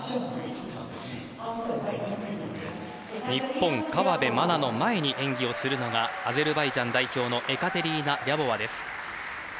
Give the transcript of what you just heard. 日本、河辺愛菜の前に演技をするのがアゼルバイジャン代表のエカテリーナ・リャボワです。